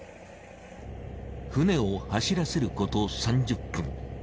船を走らせること３０分。